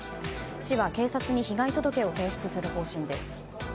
市は警察に被害届を提出する方針です。